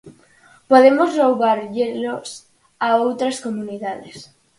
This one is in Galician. Podemos roubárllelos a outras comunidades.